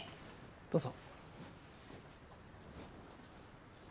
どうぞ。